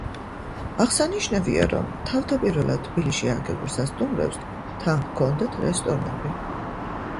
აღსანიშნავია, რომ თავდაპირველად თბილისში აგებულ სასტუმროებს თან ჰქონდათ რესტორნები.